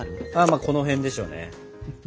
まあこの辺でしょうね。